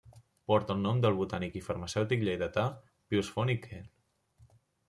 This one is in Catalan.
Porta el nom del botànic i farmacèutic lleidatà Pius Font i Quer.